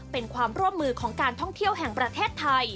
เป็นความร่วมมือของการท่องเที่ยวแห่งประเทศไทย